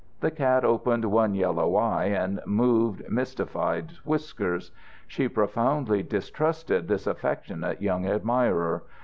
The cat opened one yellow eye and moved mystified whiskers. She profoundly distrusted this affectionate young admirer.